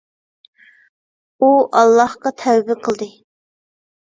ئۇ ئاللاھقا تەۋبە قىلدى.